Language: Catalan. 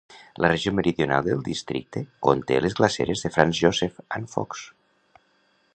La regió meridional del districte conté les glaceres de Franz Josef and Fox.